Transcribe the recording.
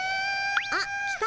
あっ来た。